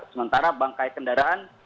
sementara bangkai kendaraan